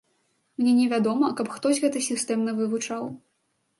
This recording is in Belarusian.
Мне невядома, каб хтось гэта сістэмна вывучаў.